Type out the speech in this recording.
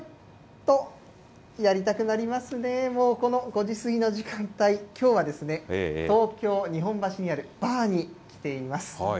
とやりたくなりますね、もうこの５時過ぎの時間帯、きょうは東京・日本橋にあるバーに来ています。